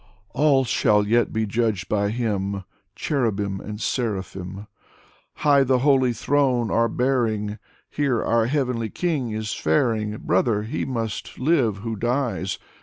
All shall yet be judged by Him. Cherubim and seraphim Dmitry Merezhkovsky 59 High the holy Throne are bearing I Here our heavenly King is faring. Brother, he must live who dies.